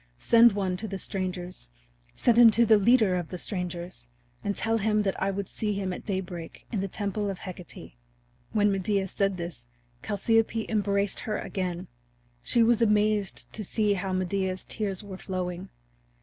Send one to the strangers send him to the leader of the strangers, and tell him that I would see him at daybreak in the temple of Hecate." When Medea said this Chalciope embraced her again. She was amazed to see how Medea's tears were flowing.